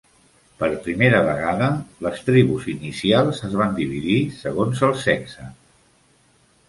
Per primera vegada, les tribus inicials es van dividir segons el sexe.